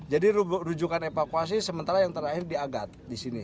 jadi rujukan evakuasi sementara yang terakhir di agat disini